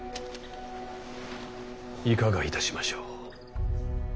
いかがいたしましょう。